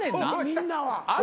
みんなは。